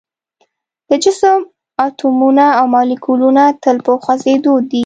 د جسم اتومونه او مالیکولونه تل په خوځیدو دي.